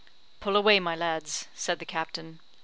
"Pull away, my lads!" said the captain.